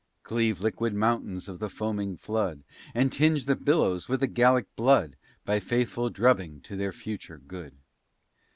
Cleave liquid mountains of the foaming flood, And tinge the billows with the Gallic blood, A faithful drubbing to their future good.